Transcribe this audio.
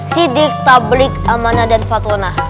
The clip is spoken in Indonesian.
siddiq tabrik ammanah dan fatonah